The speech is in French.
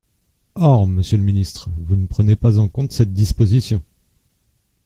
Or, monsieur le ministre, vous ne prenez pas en compte cette disposition.